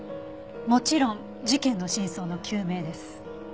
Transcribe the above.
もちろん事件の真相の究明です。